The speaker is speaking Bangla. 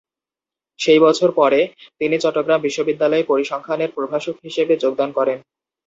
সেই বছর পরে, তিনি চট্টগ্রাম বিশ্ববিদ্যালয়ে পরিসংখ্যানের প্রভাষক হিসেবে যোগদান করেন।